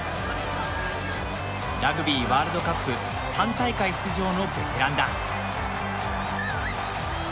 ラグビーワールドカップ３大会出場のベテランだ。